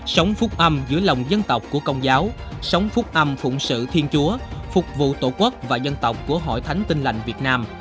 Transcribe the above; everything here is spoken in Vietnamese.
sống phúc âm giữa lòng dân tộc của công giáo sống phúc âm phụng sự thiên chúa phục vụ tổ quốc và dân tộc của hội thánh tin lành việt nam